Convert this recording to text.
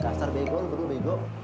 kasar bego lu perlu bego